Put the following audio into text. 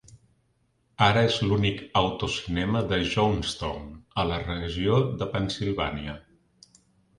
Ara és l'únic autocinema de Johnstown, a la regió de Pennsilvània.